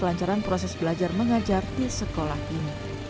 kelancaran proses belajar mengajar di sekolah ini